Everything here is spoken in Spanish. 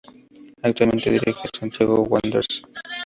Actualmente dirige al Santiago Wanderers.